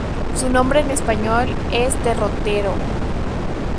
Su nombre en español es derrotero.